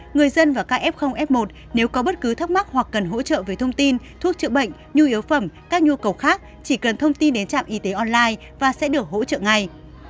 người dân và các f f một nếu có bất cứ thắc mắc hoặc cần hỗ trợ về thông tin thuốc chữa bệnh nhu yếu phẩm các nhu cầu khác chỉ cần thông tin đến trạm y tế online và sẽ được hỗ trợ ngay